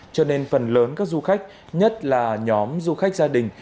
cho nên phần lớn các du khách nhất là nhóm du khách gia đình